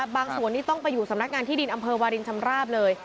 บางส่วนนี้ต้องไปอยู่สำนักงานที่ดินอำเภอวาลินชำราบเลย